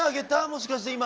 もしかして今。